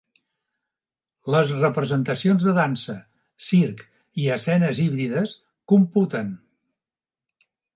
Les representacions de dansa, circ i escenes híbrides computen.